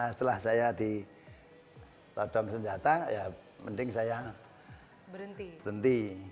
setelah saya ditodong senjata ya mending saya berhenti